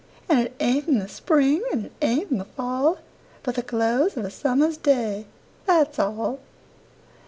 An' it ain't in the spring er it ain't in the fall, But the close of a summer's day, That's all.